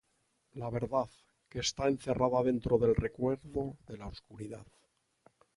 La "verdad" que está encerrada dentro del recuerdo de la oscuridad.